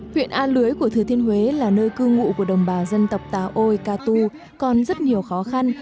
huyện a lưới của thừa thiên huế là nơi cư ngụ của đồng bào dân tộc tà ôi ca tu còn rất nhiều khó khăn